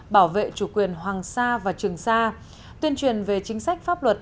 bảo vệ chủ quyền hoàng sa và trường sa tuyên truyền về chính sách pháp luật